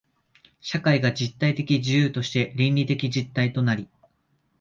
社会が実体的自由として倫理的実体となり、